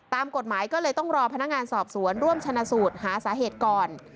ตามกฎหมายก็เลยต้องรอพนักงานสอบสวนร่วมชนะสูตรหาสาเหตุก่อน